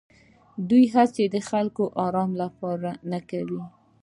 دوی هېڅې د خلکو د ارامۍ لپاره نه کوي.